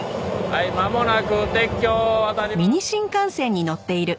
いまもなく鉄橋を渡ります。